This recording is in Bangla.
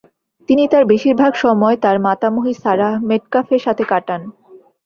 তিনি তার বেশিরভাগ সময় তার মাতামহী সারাহ মেটকাফের সাথে কাটান।